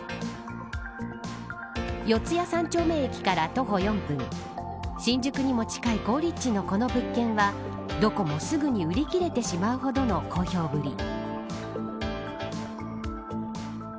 四谷三丁目駅から徒歩４分新宿にも近い好立地のこの物件はどこもすぐに売り切れてしまうほどの好評ぶり。